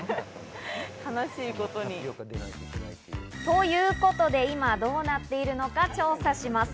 ということで、今どうなっているのか調査します。